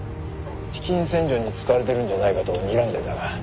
資金洗浄に使われてるんじゃないかとにらんでるんだが。